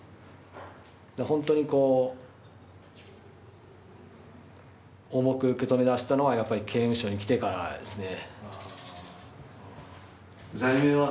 本当に重く受け止めだしたのは刑務所に来てからですね。